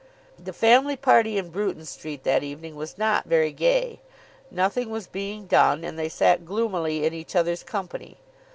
The family party in Bruton Street that evening was not very gay. Nothing was being done, and they sat gloomily in each other's company.